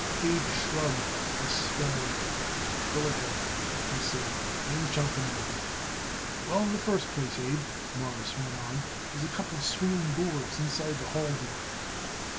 Abe shrugged despairingly. "Go ahead," he said. "I ain't jumping over you." "Well, in the first place, Abe," Morris went on, "there's a couple of swinging doors inside the hall door."